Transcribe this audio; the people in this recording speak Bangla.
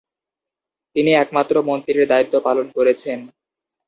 তিনি একমাত্র মন্ত্রীর দায়িত্ব পালন করেছেন।